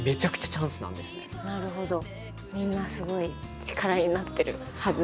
みんなすごい力になってるはず。